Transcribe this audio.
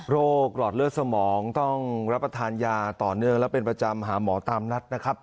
หลอดเลือดสมองต้องรับประทานยาต่อเนื่องและเป็นประจำหาหมอตามนัดนะครับ